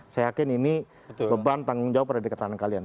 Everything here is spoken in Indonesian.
saya yakin ini beban tanggung jawab pada dekatan kalian